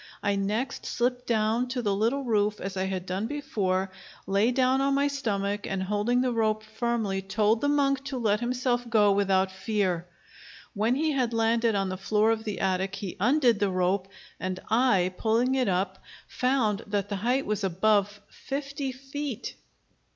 I next slipped down to the little roof, as I had done before, lay down on my stomach, and holding the rope firmly, told the monk to let himself go without fear. When he had landed on the floor of the attic he undid the rope, and I, pulling it up, found that the height was above fifty feet.